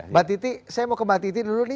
mbak titi saya mau ke mbak titi dulu nih